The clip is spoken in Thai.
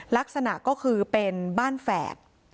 ลักษณะก็คือเป็นบ้านแฝด